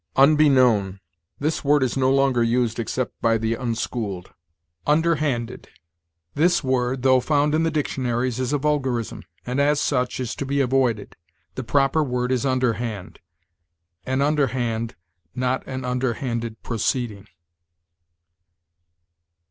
UNBEKNOWN. This word is no longer used except by the unschooled. UNDERHANDED. This word, though found in the dictionaries, is a vulgarism, and as such is to be avoided. The proper word is underhand. An underhand, not an underhanded, proceeding.